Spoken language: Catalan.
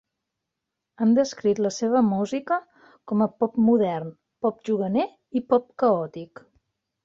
Han descrit la seva música com a pop modern, pop juganer i pop caòtic.